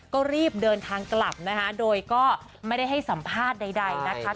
ก็รีบเดินทางกลับนะคะโดยก็ไม่ได้ให้สัมภาษณ์ใดนะคะ